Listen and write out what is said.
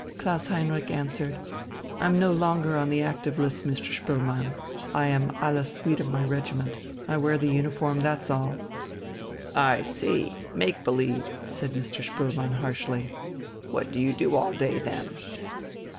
Klaus Heinrich answered: "I'm no longer on the active list, Mr. Spoelmann. I am à la suite of my regiment. I wear the uniform, that's all." "I see, make believe," said Mr. Spoelmann harshly. "What do you do all day, then?"